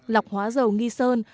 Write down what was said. lọc hóa dầu nghi sơn